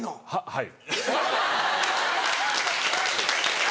はい。